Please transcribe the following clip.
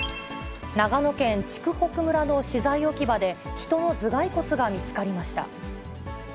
長野県筑北村の資材置き場で、人の頭蓋骨が見つかりました。